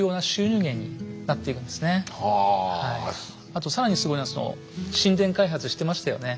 あと更にすごいのは新田開発してましたよね。